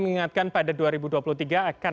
mengingatkan pada dua ribu dua puluh tiga akan